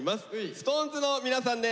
ＳｉｘＴＯＮＥＳの皆さんです。